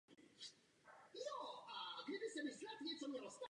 Okolní hospodářské budovy byly opraveny a jsou udržovány také zámecké zahrady.